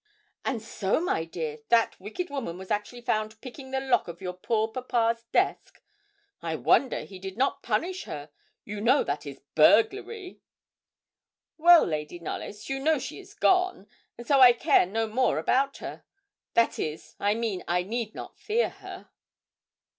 'And so, my dear, that wicked woman was actually found picking the lock of your poor papa's desk. I wonder he did not punish her you know that is burglary.' 'Well, Lady Knollys, you know she is gone, and so I care no more about her that is, I mean, I need not fear her.'